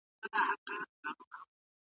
که سپینه تخته وي نو لیکل نه بندیږي.